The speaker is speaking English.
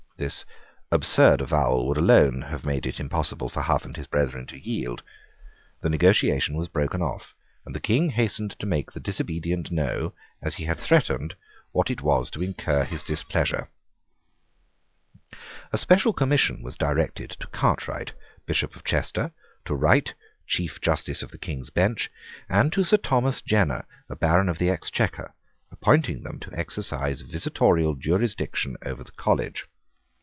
This absurd avowal would alone have made it impossible for Hough and his brethren to yield. The negotiation was broken off; and the King hastened to make the disobedient know, as he had threatened, what it was to incur his displeasure. A special commission was directed to Cartwright, Bishop of Chester, to Wright, Chief justice of the King's Bench, and to Sir Thomas Jenner, a Baron of the Exchequer, appointing them to exercise visitatorial jurisdiction over the college.